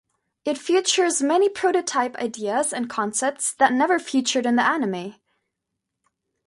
It features many prototype ideas and concepts that never featured in the anime.